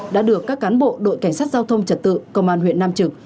đã được các cán bộ đội cảnh sát giao thông trật tự công an huyện nam trực